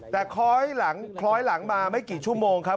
แต่คล้อยหลังมาไม่กี่ชั่วโมงครับ